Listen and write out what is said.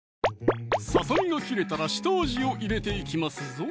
ささみが切れたら下味を入れていきますぞ